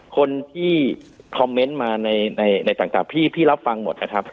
คนที่คอมเมนต์มาในต่างพี่รับฟังหมดนะครับ